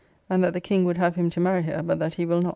And that the King would have him to marry her, but that he will not.